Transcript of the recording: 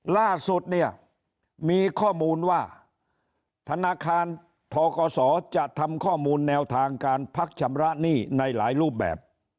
ล่าสุดเนี่ยมีข้อมูลว่าธนาคารทกศจะทำข้อมูลแนวทางการพักชำระหนี้ในหลายรูปแบบ